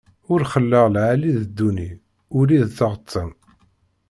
Ur xelleḍ lɛali d dduni, ulli d tɣeṭṭen!